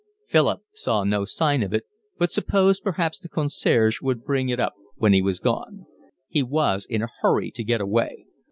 Philip saw no sign of it, but supposed perhaps the concierge would bring it up when he was gone. He was in a hurry to get away.